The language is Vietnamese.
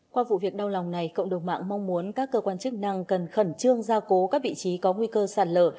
qua vụ việc đau lòng này cộng đồng mạng mong muốn các cơ quan chức năng cần khẩn trương gia cố các vị trí có nguy cơ sạt lở